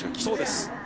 そうです。